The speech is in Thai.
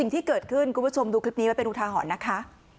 ที่เกิดขึ้นคุณผู้ชมดูคลิปนี้ไว้เป็นอุทาหรณ์นะคะ